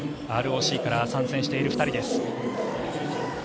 ＲＯＣから参戦している２人です。